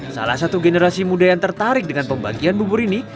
salah satu generasi muda yang tertarik dengan pembagian bubur ini